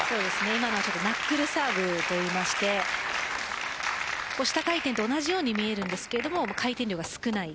今のはナックルサーブと言いまして下回転と同じように見えるんですけども回転量が少ない。